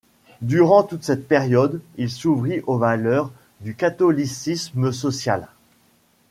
Durant toute cette période, il s'ouvrit aux valeurs du catholicisme social.